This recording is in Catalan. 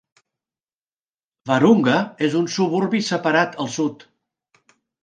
Wahroonga és un suburbi separat, al sud.